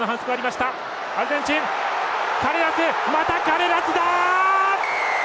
またカレラスだ！